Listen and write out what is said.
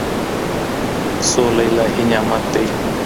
سوله الهي نعمت دی.